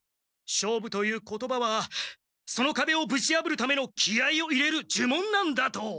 勝負という言葉はそのかべをぶちやぶるための気合いを入れるじゅもんなんだと！